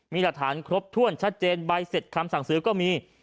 มีหลักฐานครบถ้วนชัดเจนใบเสร็จคำสั่งซื้อก็มี